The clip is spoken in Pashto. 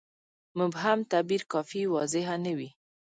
مبهم تعبیر کافي واضحه نه وي.